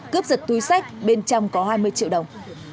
cướp giật túi sách bên trong có hai mươi triệu đồng